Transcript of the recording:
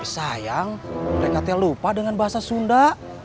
sayang mereka tak lupa dengan bahasa sunda